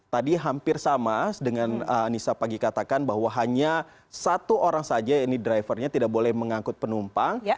tadi hampir sama dengan anissa pagi katakan bahwa hanya satu orang saja ini drivernya tidak boleh mengangkut penumpang